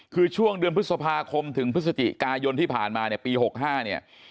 คือช่วงเดือนพฤษภาคมถึงพฤศจิกายนที่ผ่านมาเนี่ยปี๖๕เนี่ย